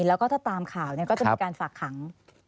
แล้วก็ถ้าตามข่าวก็จะมีการฝากขัง